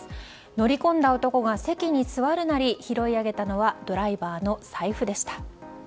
乗り込んだ男が席に座るなり拾い上げたのはドライバーの財布でした。